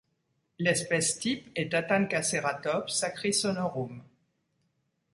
L'espèce type est Tatankaceratops sacrisonorum.